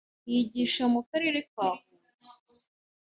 yigisha mu karere ka Huye,